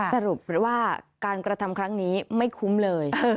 สรุปหรือว่าการกระทำครั้งนี้ไม่คุ้มเลย